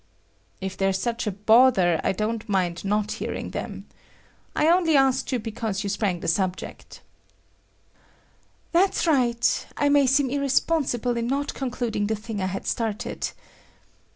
"If they're such a bother, I don't mind not hearing them. I only asked you because you sprang the subject." "That's right. I may seem irresponsible in not concluding the thing I had started.